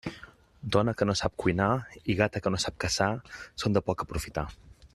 Dona que no sap cuinar i gata que no sap caçar són de poc aprofitar.